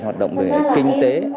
hoạt động về kinh tế